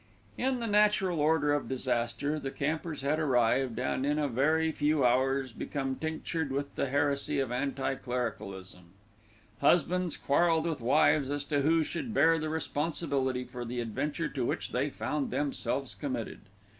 In the natural order of disaster the campers had arrived, and in a very few hours became tinctured with the heresy of anti clericalism. Husbands quarrelled with wives as to who should bear the responsibility for the adventure to which they found themselves committed.